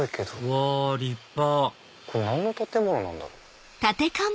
うわ立派これ何の建物なんだろう？